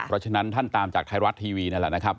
เพราะฉะนั้นท่านตามจากไทยรัฐทีวีนั่นแหละนะครับ